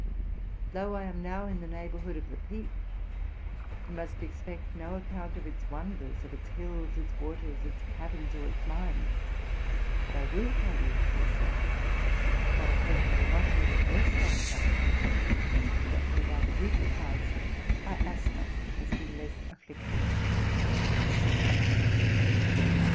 Though I am now in the neighbourhood of the Peak, you must expect no account of its wonders, of its hills, its waters, its caverns, or its mines; but I will tell you, dear Sir, what I hope you will not hear with less satisfaction, that, for about a week past, my asthma has been less afflictive.'